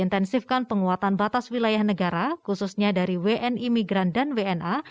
intensifkan penguatan batas wilayah negara khususnya dari wni migran dan wna